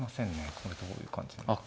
これどういう感じになるのか。